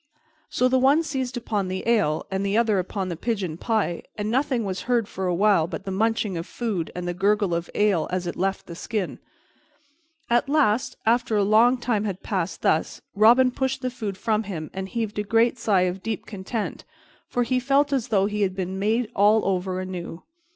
So the one seized upon the ale and the other upon the pigeon pie, and nothing was heard for a while but the munching of food and the gurgle of ale as it left the skin. At last, after a long time had passed thus, Robin pushed the food from him and heaved a great sigh of deep content, for he felt as though he had been made all over anew.